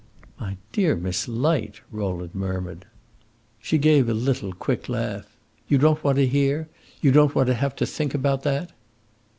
"My dear Miss Light!" Rowland murmured. She gave a little, quick laugh. "You don't want to hear? you don't want to have to think about that?"